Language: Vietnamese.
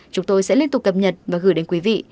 chúng tôi sẽ liên tục cập nhật và gửi đến quý vị